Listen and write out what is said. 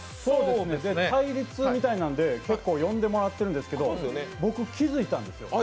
対立みたいなんで結構呼んでもらってるんですけど、僕、気づいたんですよ。